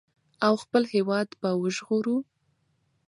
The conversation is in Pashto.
او خپل هېواد به وژغورو.